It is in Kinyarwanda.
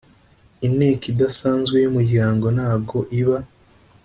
inteko idasanzwe y umuryango ntago iba.